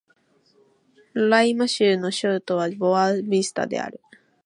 ロライマ州の州都はボア・ヴィスタである